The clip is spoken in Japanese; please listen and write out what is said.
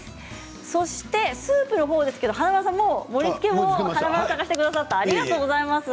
そしてスープの方ですけれど華丸さん盛りつけも参加してくださってありがとうございます。